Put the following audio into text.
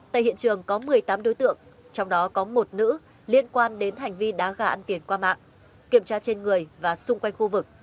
tại hiện trường có một mươi tám đối tượng trong đó có một nữ liên quan đến hành vi đá gà ăn tiền qua mạng kiểm tra trên người và xung quanh khu vực